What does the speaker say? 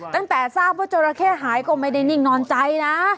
ตั้งแต่ทราบว่าจราเข้หายก็ไม่ได้นิ่งนอนใจนะ